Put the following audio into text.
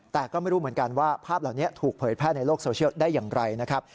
แต่ก็ไม่รู้เหมือนกันว่าภาพเหล่านี้ถูกเผยแพร่ในโลกโซเชียลได้อย่างไรนะครับ